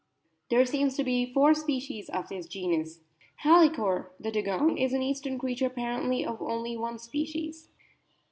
There seems to be four species of this genus. Halicore, the Dugong, is an eastern creature appar ently of only one species.